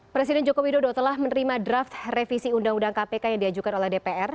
presiden joko widodo telah menerima draft revisi undang undang kpk yang diajukan oleh dpr